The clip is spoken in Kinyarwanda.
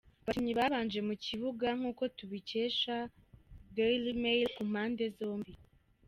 Abakinnyi babanje mukibuga nkuko tubikesha Dailymail kumpande zombie